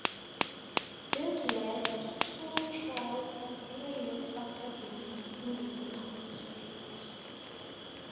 This led to two trials and three years of headlines in the local newspapers.